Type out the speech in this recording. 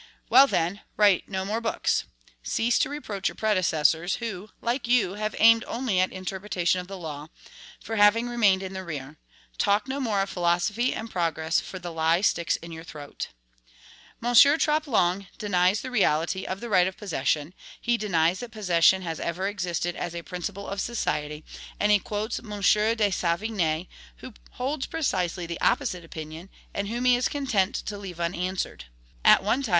Well, then, write no more books; cease to reproach your predecessors who, like you, have aimed only at interpretation of the law for having remained in the rear; talk no more of philosophy and progress, for the lie sticks in your throat. M. Troplong denies the reality of the right of possession; he denies that possession has ever existed as a principle of society; and he quotes M. de Savigny, who holds precisely the opposite position, and whom he is content to leave unanswered. At one time, M.